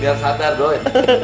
biar satar doi